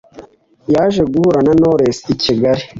yaje guhura na knowless i kigali,